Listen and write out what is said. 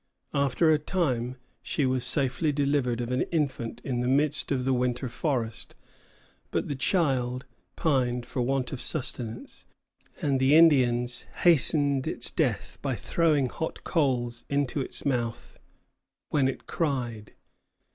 After a time she was safely delivered of an infant in the midst of the winter forest; but the child pined for want of sustenance, and the Indians hastened its death by throwing hot coals into its mouth when it cried.